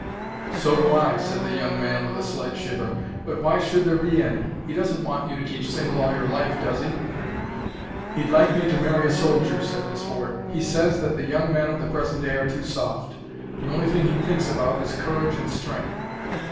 "So do I," said the young man, with a slight shiver. "But why should there be any? He doesn't want you to keep single all your life, does he?" "He'd like me to marry a soldier," said Miss Ward. "He says that the young men of the present day are too soft. The only thing he thinks about is courage and strength."